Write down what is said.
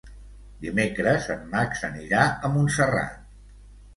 Dimecres en Max anirà a Montserrat.